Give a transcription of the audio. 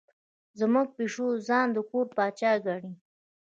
زموږ پیشو ځان د کور پاچا ګڼي.